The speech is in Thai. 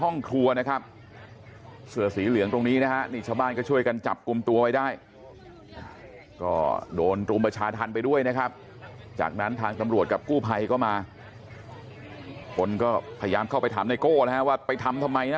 นะครับจากนั้นทางสำรวจกับกู้ภัยก็มาคนก็พยายามเข้าไปถามไนโก้นะฮะว่าไปทำทำไมนะ